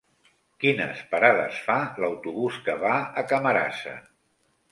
Quines parades fa l'autobús que va a Camarasa?